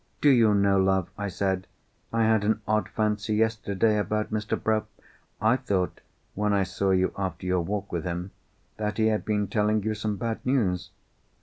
"Do you know, love," I said, "I had an odd fancy, yesterday, about Mr. Bruff? I thought, when I saw you after your walk with him, that he had been telling you some bad news."